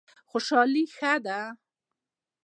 خوشحالي ښه دی.